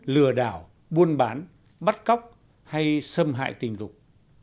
lừa đảo buôn bán bắt cóc hay xâm hại tình dục